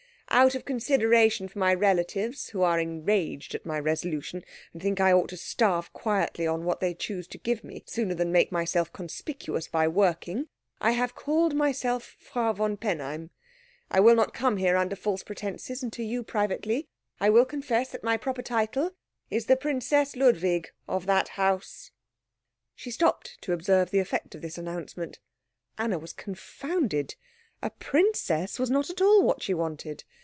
"Out of consideration for my relatives, who are enraged at my resolution, and think I ought to starve quietly on what they choose to give me sooner than make myself conspicuous by working, I have called myself Frau von Penheim. I will not come here under false pretences, and to you, privately, I will confess that my proper title is the Princess Ludwig, of that house." She stopped to observe the effect of this announcement. Anna was confounded. A princess was not at all what she wanted.